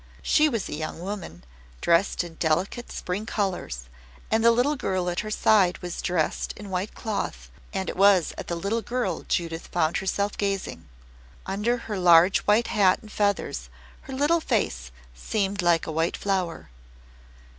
She was a young woman, dressed in delicate spring colours, and the little girl at her side was dressed in white cloth, and it was at the little girl Judith found herself gazing. Under her large white hat and feathers her little face seemed like a white flower.